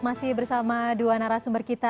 masih bersama dua narasumber kita